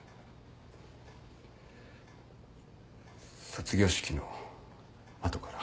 卒業式の後から。